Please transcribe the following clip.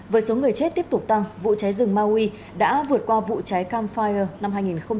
với số người chết tiếp tục tăng vụ cháy rừng maui đã vượt qua vụ cháy camp fire năm hai nghìn một mươi tám